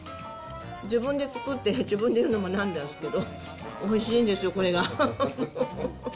自分で作って、自分で言うのもなんなんですけど、おいしいんですよ、これが。